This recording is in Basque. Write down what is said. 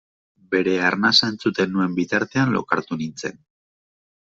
Bere arnasa entzuten nuen bitartean lokartu nintzen.